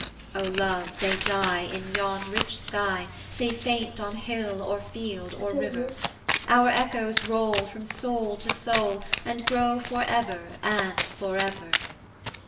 O love, they die in yon rich sky, They faint on hill or field or river: Our echoes roll from soul to soul, And grow for ever and for ever.